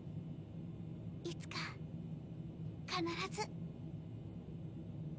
いつか必ず。